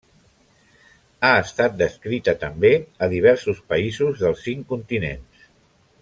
Ha estat descrita també a diversos països dels cinc continents.